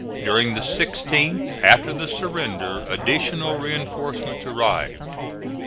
During the 16th, after the surrender, additional reinforcements arrived.